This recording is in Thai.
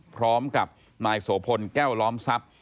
พร้อมกับนายโสพลแก้วล้อมทรัพย์